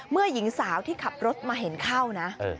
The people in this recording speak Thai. หญิงสาวที่ขับรถมาเห็นเข้านะ